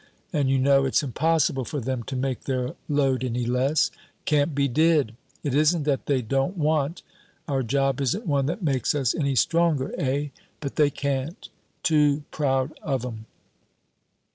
And you know it's impossible for them to make their load any less. Can't be did. It isn't that they don't want our job isn't one that makes us any stronger, eh? But they can't. Too proud of 'em."